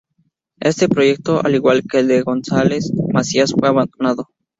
Este proyecto, al igual que el de González Macías fue abandonado.